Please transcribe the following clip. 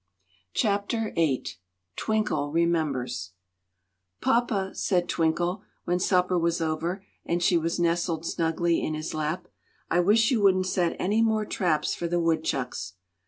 Chapter VIII Twinkle Remembers "PAPA," said Twinkle, when supper was over and she was nestled snugly in his lap, "I wish you wouldn't set any more traps for the woodchucks."